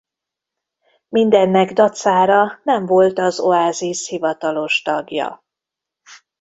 Mindennek dacára nem volt az Oasis hivatalos tagja.